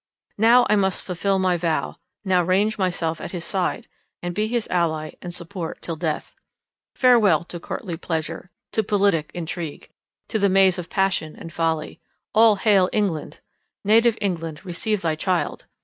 Now I must fulfil my vow; now range myself at his side, and be his ally and support till death. Farewell to courtly pleasure; to politic intrigue; to the maze of passion and folly! All hail, England! Native England, receive thy child!